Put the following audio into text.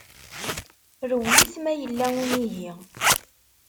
Rewlet ma yella umihi.